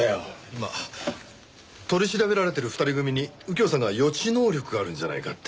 今取り調べられている２人組に右京さんが予知能力があるんじゃないかって。